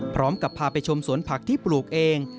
พร้อมกับพาไปชมสวนผักที่ปลูกเอง